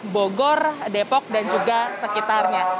bogor depok dan juga sekitarnya